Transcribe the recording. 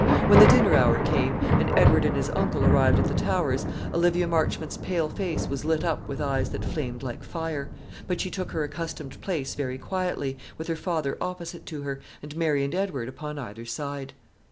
When the dinner hour came, and Edward and his uncle arrived at the Towers, Olivia Marchmont's pale face was lit up with eyes that flamed like fire; but she took her accustomed place very quietly, with her father opposite to her, and Mary and Edward upon either side.